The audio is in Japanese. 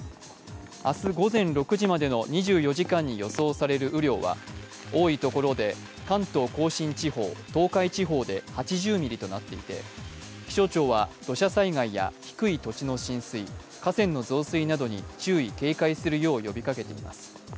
明日、午前６時までの２４時間に予想される雨量は、多いところで関東甲信地方東海地方で８０ミリとなっていて気象庁は土砂災害や低い土地の浸水、河川の増水などに注意警戒するよう呼びかけています。